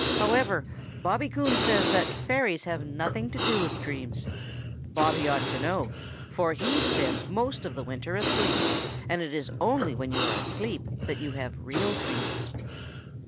However, Bobby Coon says that fairies have nothing to do with dreams. Bobby ought to know, for be spends most of the winter asleep, and it is only when you are asleep that you have real dreams.